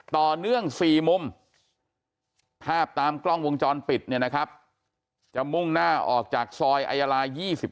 ต่อเนื่อง๔มุมภาพตามกล้องวงจรปิดจะมุ่งหน้าออกจากซอยไอรา๒๕